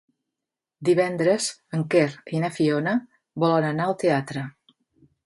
Divendres en Quer i na Fiona volen anar al teatre.